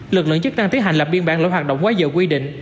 lực lượng chức năng tiết hành lập biên bản lỗi hoạt động quá dở quy định